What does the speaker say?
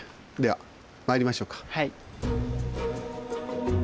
はい。